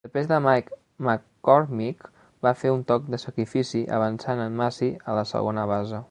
Després en Mike McCormick va fer un toc de sacrifici, avançant en Masi a la segona base.